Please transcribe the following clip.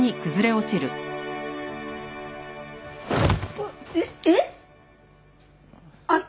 うわっえっえっ！？あっ。